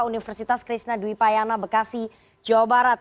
universitas krishna dwi payana bekasi jawa barat